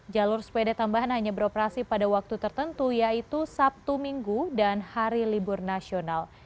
jalur sepeda tambahan hanya beroperasi pada waktu tertentu yaitu sabtu minggu dan hari libur nasional